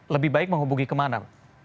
lebih baik menghubungi ke tempat lain